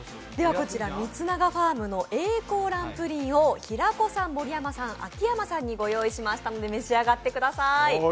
こちらの光永ファームの永光卵プリンを平子さん、盛山さん、秋山さんにご用意しましたので召し上がってください。